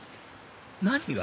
何が？